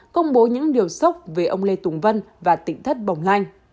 công bố những điều sốc về ông lê tùng vân và tỉnh thất bồng lanh